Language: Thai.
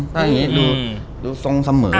ถ้าอย่างนี้ดูทรงเสมอ